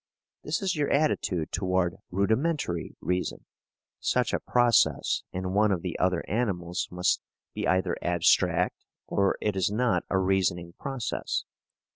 This is your attitude toward rudimentary reason. Such a process, in one of the other animals, must be either abstract or it is not a reasoning process.